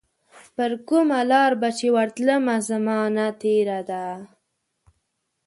پرکومه لار به چي ورتلمه، زمانه تیره ده